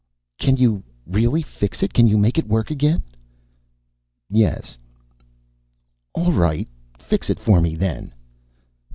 "Can you really fix it? Can you make it work again?" "Yes." "All right. Fix it for me, then."